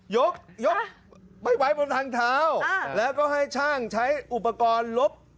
ยกยกไม่ไว้บนทางเท้าแล้วก็ให้ช่างใช้อุปกรณ์ลบ